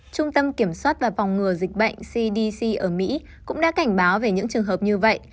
trung tâm kiểm soát và phòng ngừa dịch bệnh cdc ở mỹ cũng đã cảnh báo về những trường hợp như vậy